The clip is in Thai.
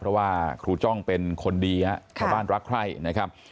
เพราะว่าครูจ้องเป็นคนดีฮะชาวบ้านรักใครนะครับ